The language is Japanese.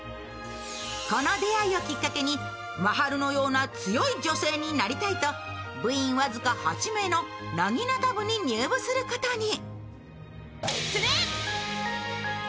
この出会いをきっかけに真春のような強い女性になりたいと部員僅か８名のなぎなた部に入部することに。